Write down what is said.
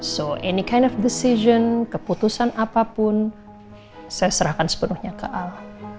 jadi apa pun keputusan keputusan apapun saya serahkan sepenuhnya ke al